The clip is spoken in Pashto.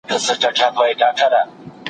دا د غير مسلمانانو عادت وو.